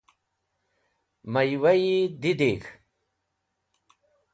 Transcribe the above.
Maywa e didig̃h.